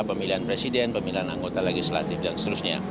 pemilihan presiden pemilihan anggota legislatif dan seterusnya